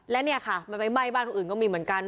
และเหมือนกันใบมายบ้านก็มีกัน